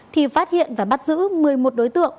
thì phát hiện và bắt giữ một mươi một đối tượng